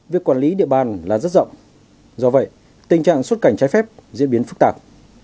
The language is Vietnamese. việc quản lý địa bàn là rất rộng do vậy tình trạng xuất cảnh trái phép diễn biến phức tạp